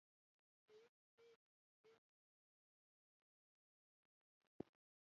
د یخ درې زره دېرش متره لاندې سطحه وکیندل شوه